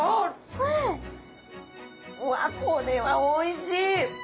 うわっこれはおいしい！